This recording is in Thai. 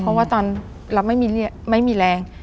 เพราะว่าตอนเราไม่มีแรง